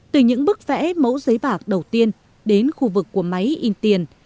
từ những bức vẽ mẫu giấy bạc đầu tiên đến khu vực của máy in tiền